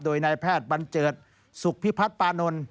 โดยนายแพทย์บันเจิดสุขพิพัฒน์ปานนท์